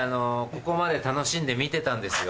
ここまで楽しんで見てたんですよ。